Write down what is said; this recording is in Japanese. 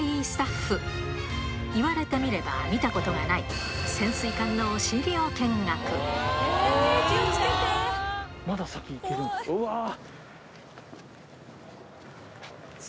スタッフ言われてみれば見たことがないうわ！